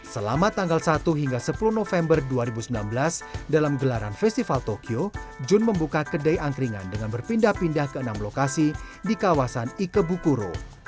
selama tanggal satu hingga sepuluh november dua ribu sembilan belas dalam gelaran festival tokyo jun membuka kedai angkringan dengan berpindah pindah ke enam lokasi di kawasan ikebukuro